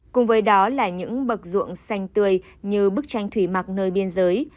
cùng với đó là những bậc ruộng xanh tươi như bức tranh thủy mặc nơi biên giới